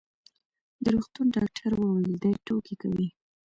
د روغتون ډاکټر وویل: دی ټوکې کوي.